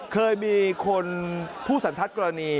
เคยมีคนผู้สันทัศน์กรณี